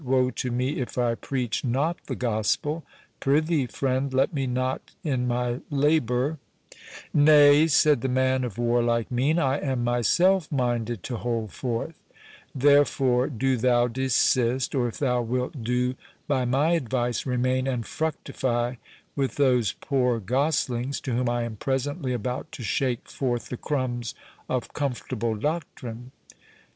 Woe to me if I preach not the gospel—Prithee, friend, let me not in my labour"— "Nay," said the man of warlike mien, "I am myself minded to hold forth; therefore, do thou desist, or if thou wilt do by my advice, remain and fructify with those poor goslings, to whom I am presently about to shake forth the crumbs of comfortable doctrine."